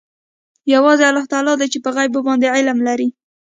یوازې الله تعلی دی چې په غیبو باندې علم لري.